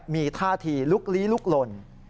มีท่าทีลุกลี้ลุกลน